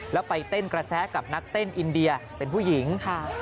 แล้วไปเต้นกระแสกับนักเต้นอินเดียเป็นผู้หญิง